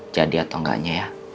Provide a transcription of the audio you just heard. jadi atau enggak aja ya